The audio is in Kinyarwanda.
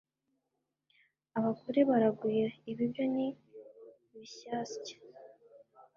Abagore baragwira ibi byo ni bishyasya